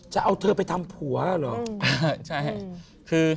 จะเอาเธอไปทำผัวเหรอ